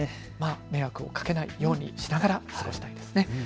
迷惑をかけないようにしながら過ごしたいですね。